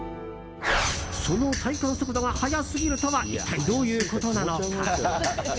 その体感速度が速すぎるとは一体どういうことなのか。